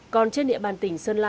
còn trên địa bàn tỉnh sơn lương